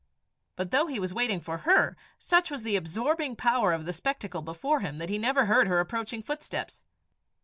But though he was waiting for her, such was the absorbing power of the spectacle before him that he never heard her approaching footsteps.